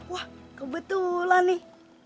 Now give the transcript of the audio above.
wah kebetulan nih